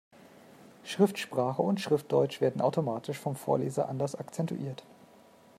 Schriftsprache und Schriftdeutsch werden automatisch vom Vorleser anders akzentuiert.